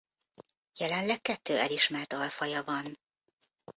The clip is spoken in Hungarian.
Jelenleg kettő elismert alfaja van.